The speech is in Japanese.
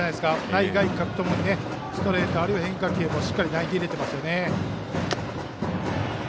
内外角ともにストレート、変化球としっかり投げれていますね。